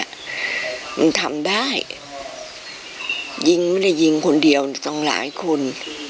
มันทำได้ยิงไม่ได้ยิงคนเดียวต้องหลายคน